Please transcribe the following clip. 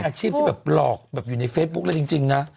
อาชีพที่แบบหลอกแบบอยู่ในเฟซบุ๊คแล้วจริงนะ